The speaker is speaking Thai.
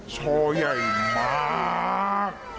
ชอใหญ่มาก